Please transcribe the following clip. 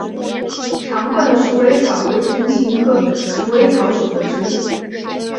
长冠鼠尾草为唇形科鼠尾草属的植物。